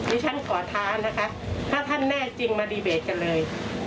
ฉันขอท้านะคะถ้าท่านแน่จริงมาดีเบตกันเลย